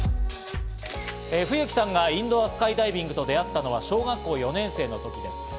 冬妃さんがインドアスカイダイビングと出会ったのは小学校４年生の時です。